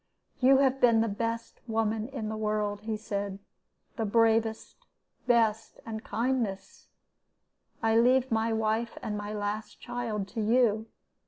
'You have been the best woman in the world,' he said 'the bravest, best, and kindest. I leave my wife and my last child to you.